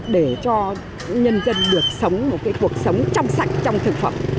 để cho nhân dân được sống một cuộc sống trong sạch trong thực phẩm